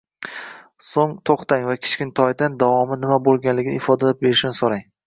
so‘ng to‘xtang va kichkintoydan davomi nima bo‘lganligini ifodalab berishini so‘rang.